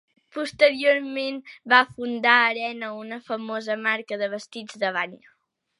Posteriorment va fundar Arena, una famosa marca de vestits de bany.